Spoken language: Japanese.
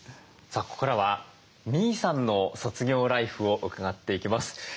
さあここからは未唯さんの卒業ライフを伺っていきます。